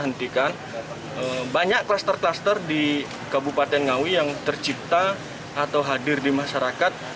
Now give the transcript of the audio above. hentikan banyak kluster kluster di kabupaten ngawi yang tercipta atau hadir di masyarakat